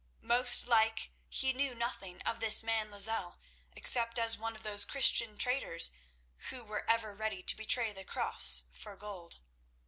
Most like he knew nothing of this man Lozelle, except as one of those Christian traitors who were ever ready to betray the Cross for gold.